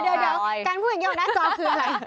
เดี๋ยวการผู้หญิงยอดอนาจรคืออะไร